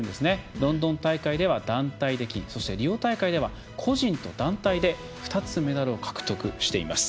ロンドン大会では団体で金そしてリオ大会では個人と団体で２つメダルを獲得しています。